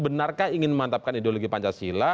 benarkah ingin memantapkan ideologi pancasila